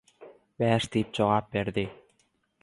Bäş diýip jogap berdi.